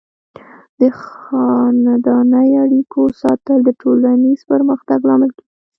د خاندنۍ اړیکو ساتل د ټولنیز پرمختګ لامل کیږي.